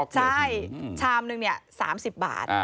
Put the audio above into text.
ใช่ชามนึงเนี่ย๓๐บาท